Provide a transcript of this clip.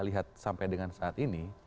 lihat sampai dengan saat ini